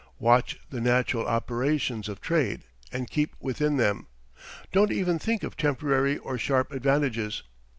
Watch the natural operations of trade, and keep within them. Don't even think of temporary or sharp advantages.